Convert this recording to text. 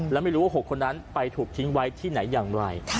และไม่รู้ว่า๖คนนั้นไปถูกทิ้งไว้ที่ไหนอย่างไร